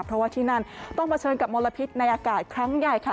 เพราะว่าที่นั่นต้องเผชิญกับมลพิษในอากาศครั้งใหญ่ค่ะ